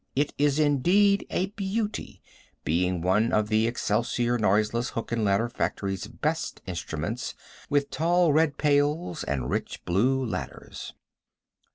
It is indeed a beauty, being one of the Excelsior noiseless hook and ladder factory's best instruments, with tall red pails and rich blue ladders.